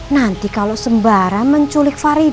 nanti kalau sembara menculik farid